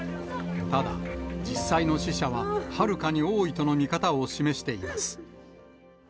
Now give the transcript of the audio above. ただ、実際の死者ははるかに多いとの見方を示しています。